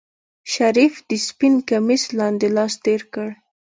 شريف د سپين کميس لاندې لاس تېر کړ.